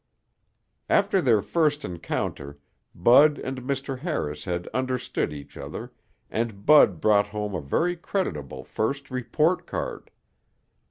After their first encounter Bud and Mr. Harris had understood each other and Bud brought home a very creditable first report card.